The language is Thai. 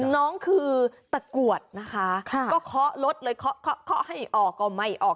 น้องคือตะกรวดนะคะก็เคาะรถเลยเคาะให้ออกก็ไม่ออก